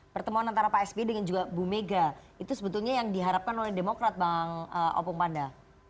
pertemuan pak sb dan bu mega itu sebetulnya yang diharapkan oleh demokrat bang opung panda